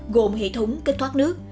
gồm hệ thống kết thoát nước